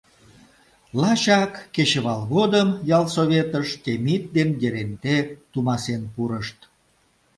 Лачак кечывал годым ялсоветыш Темит ден Еренте тумасен пурышт.